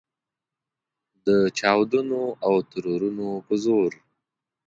د چاودنو او ترورونو په زور.